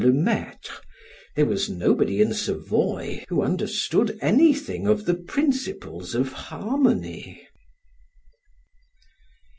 le Maitre, there was nobody in Savoy who understood anything of the principles of harmony.